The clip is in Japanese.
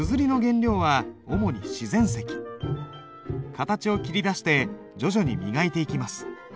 形を切り出して徐々に磨いていきます。